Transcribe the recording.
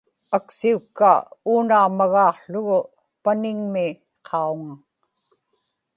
aksiukkaa uunaġmagaaqługu paniŋmi qauŋa